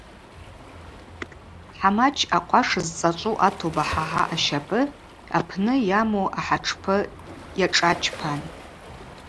Ахӏамач акъваш зцӏачӏву атоба хӏагӏа ащапӏы апны йаму ахӏатшпы йашӏачпан.